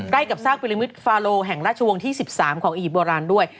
ใกล้กับซากปิลิมิตฟาโลแห่งราชวงศ์ที่๑๓ของอียิปต์โบราณด้วย